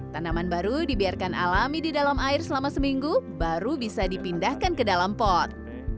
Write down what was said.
tanaman baru dibiarkan alami di dalam air selama seminggu baru bisa dipindahkan ke dalam pot